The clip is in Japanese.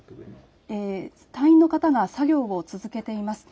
隊員の方が作業を続けています。